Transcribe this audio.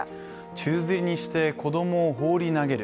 宙づりにして子供を放り投げる。